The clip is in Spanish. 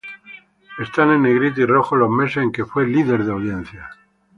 Están en negrita y rojo los meses en que fue líder de audiencia.